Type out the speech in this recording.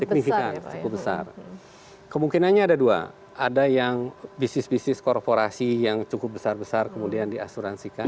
signifikan cukup besar kemungkinannya ada dua ada yang bisnis bisnis korporasi yang cukup besar besar kemudian diasuransikan